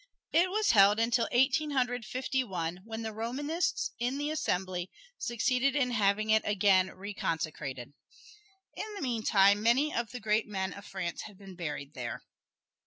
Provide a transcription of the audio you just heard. It was held until Eighteen Hundred Fifty one, when the Romanists in the Assembly succeeded in having it again reconsecrated. In the meantime, many of the great men of France had been buried there.